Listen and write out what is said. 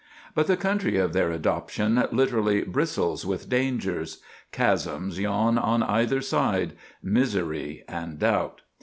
But the country of their adoption literally "bristles with dangers. Chasms yawn on either side—misery and doubt.